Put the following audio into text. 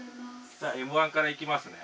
・ではＭ１からいきますね。